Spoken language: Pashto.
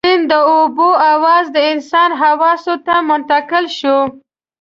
د سيند د اوبو اواز د انسان حواسو ته منتقل شو.